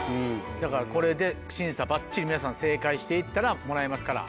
だからこれで審査ばっちり皆さん正解して行ったらもらえますから。